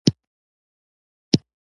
قاعده د لیکني ښکلا زیاتوي.